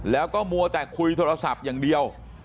แล้วก็มัวแต่คุยโทรศัพท์อย่างเดียว